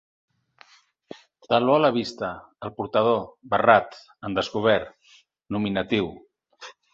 Taló a la vista, al portador, barrat, en descobert, nominatiu.